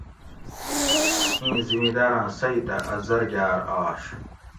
اِیں زِمیداۤراۤں سئتہ ا زرگاۤر آش